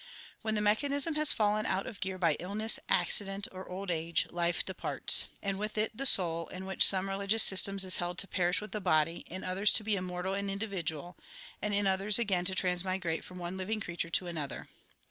When the mechanism has fallen out of gear by illness, accident, or old age, life departs, and with it the soul, which in some religious systems is held to perish with the body, in others to be immortal and individual, and in others again to transmigrate from one living creature to another.